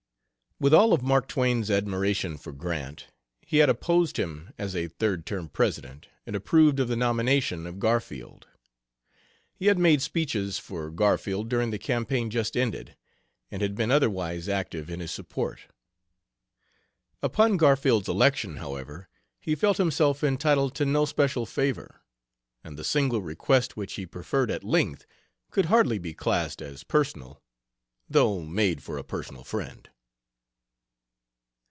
With all of Mark Twain's admiration for Grant, he had opposed him as a third term President and approved of the nomination of Garfield. He had made speeches for Garfield during the campaign just ended, and had been otherwise active in his support. Upon Garfield's election, however, he felt himself entitled to no special favor, and the single request which he preferred at length could hardly be classed as, personal, though made for a "personal friend."